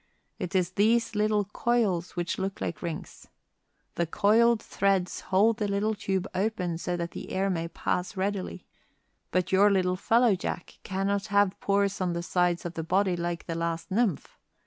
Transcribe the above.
It is these little coils which look like rings. The coiled thread holds the little tube open so that the air may pass readily. But your little fellow, Jack, cannot have pores on the sides of the body like the last nymph.